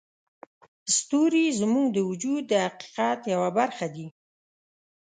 ستوري زموږ د وجود د حقیقت یوه برخه دي.